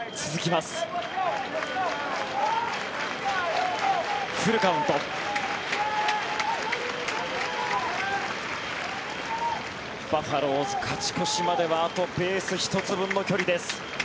バファローズ、勝ち越しまではあとベース１つ分の距離です。